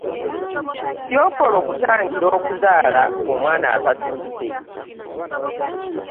byokola okutangira okuzaala omwana atatuuse .